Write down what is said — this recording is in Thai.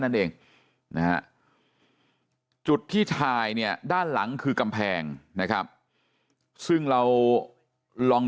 นั่นเองนะฮะจุดที่ถ่ายเนี่ยด้านหลังคือกำแพงนะครับซึ่งเราลอง